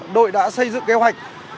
đội đã xây dựng kế hoạch